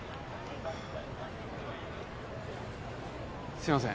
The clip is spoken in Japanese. すいません。